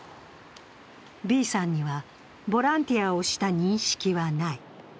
Ｂさんには、ボランティアをした認識はない。